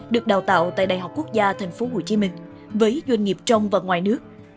được đào tạo tại đại học quốc gia tp hcm với doanh nghiệp trong và ngoài nước